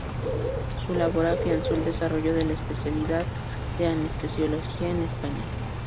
Su labor afianzó el desarrollo de la especialidad de anestesiología en España.